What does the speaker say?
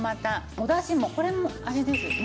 おだしもこれもあれですよね